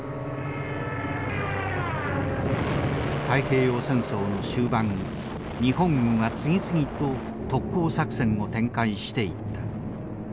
太平洋戦争の終盤日本軍は次々と特攻作戦を展開していった。